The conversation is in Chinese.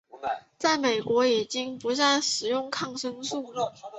在美国已经不再使用此抗生素。